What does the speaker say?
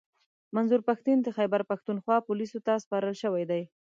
منظور پښتین د خیبرپښتونخوا پوليسو ته سپارل شوی دی